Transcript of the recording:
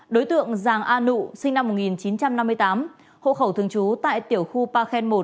đối tượng giàng a nụ sinh năm một nghìn chín trăm năm mươi tám hộ khẩu thường trú tại tiểu khu pa khen một